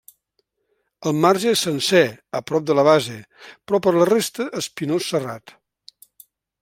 El marge és sencer a prop de la base, però per la resta espinós serrat.